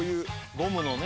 ゴムのね。